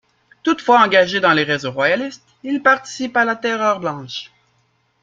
Toutefois, engagé dans les réseaux royalistes, il participe à la Terreur blanche.